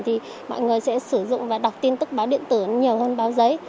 thì mọi người sẽ sử dụng và đọc tin tức báo điện tử nhiều hơn báo giấy